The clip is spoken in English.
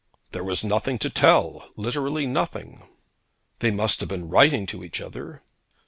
'There was nothing to tell, literally nothing.' 'They must have been writing to each other.'